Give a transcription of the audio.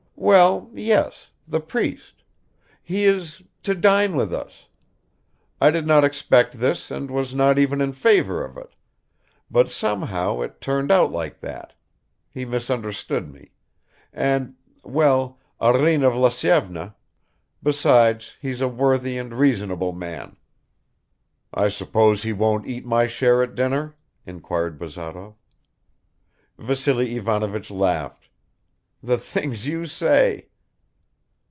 "Well, yes, the priest; he is to dine with us ... I did not expect this and was not even in favor of it but somehow it turned out like that he misunderstood me and, well, Arina Vlasyevna besides, he's a worthy and reasonable man." "I suppose he won't eat my share at dinner?" inquired Bazarov. Vassily Ivanovich laughed. "The things you say!"